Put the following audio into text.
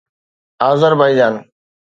Azerbaijani